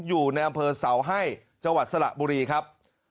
อยู่ในอำเภอเสาให้จังหวัดสระบุรีครับ